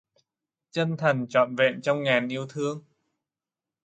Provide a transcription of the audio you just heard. Chân thành trọn vẹn trong ngàn yêu thương.